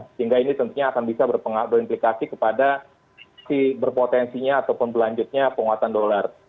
sehingga ini tentunya akan bisa berimplikasi kepada si berpotensinya ataupun berlanjutnya penguatan dolar